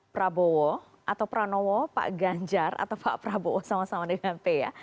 prabowo atau pranowo pak ganjar atau pak prabowo sama sama dengan p ya